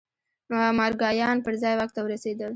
مارګایان پر ځای واک ته ورسېدل.